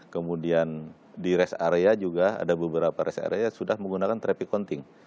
kemudian di rest area juga ada beberapa rest area yang sudah menggunakan traffic conting